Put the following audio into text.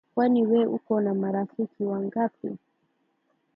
Kwani we uko na marafiki wangapi?